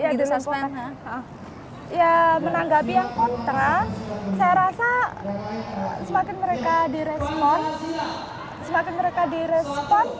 ya menanggapi yang kontra saya rasa semakin mereka direspon mereka semakin senang